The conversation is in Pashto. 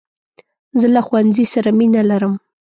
زه له ښوونځۍ سره مینه لرم .